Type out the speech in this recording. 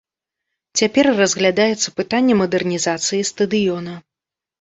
Цяпер разглядаецца пытанне мадэрнізацыі стадыёна.